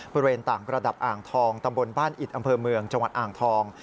บริเวณต่างระดับอ่างทองตำบลบ้านอิดอำเภอเมืองจังหวัดอ่างทอง